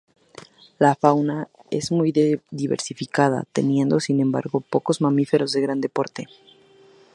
La fauna es muy diversificada, teniendo, sin embargo, pocos mamíferos de grande porte.